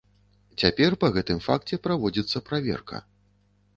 Цяпер па гэтым факце праводзіцца праверка.